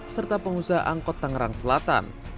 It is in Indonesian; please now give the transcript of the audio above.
serta pengusaha angkot tangerang selatan